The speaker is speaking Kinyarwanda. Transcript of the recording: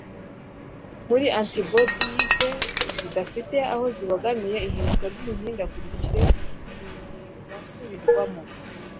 Muri antibodiyite zidafite aho zibogamiye ihinduka ry’imihindagurikire ntibirasubirwamo.